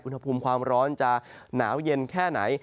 อุณหภูมิความร้อนจะหนาวเย็นแค่ไหน